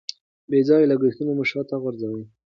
بې ځایه لګښتونه مو شاته غورځوي.